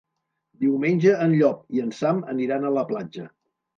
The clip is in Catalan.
Diumenge en Llop i en Sam aniran a la platja.